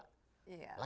kalau dua puluh desa